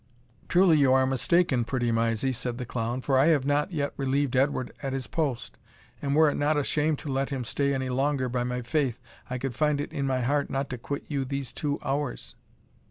"Truly you are mistaken, pretty Mysie," said the clown, "for I have not yet relieved Edward at his post; and were it not a shame to let him stay any longer, by my faith, I could find it in my heart not to quit you these two hours."